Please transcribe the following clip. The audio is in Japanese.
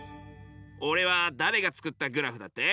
おれはだれが作ったグラフだって？